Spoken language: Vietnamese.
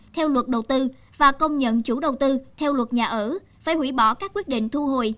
theo luật đầu tư và công nhận chủ đầu tư theo luật nhà ở phải hủy bỏ các quyết định thu hồi